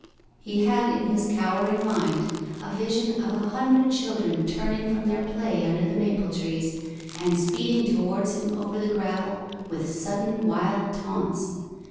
He had in his cowering mind a vision of a hundred children turning from their play under the maple trees and speeding towards him over the gravel with sudden wild taunts.